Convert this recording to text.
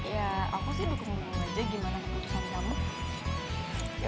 ya aku sih dukung dulu aja gimana keputusan kamu